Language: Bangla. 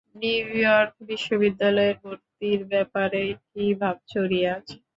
নিউ ইয়র্ক বিশ্ববিদ্যালয়ের ভর্তির ব্যাপারে কি ভাবছ, রিয়াজ?